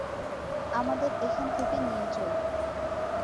আমাদের এখান থেকে নিয়ে চলো!